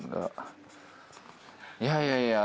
いやいやいや。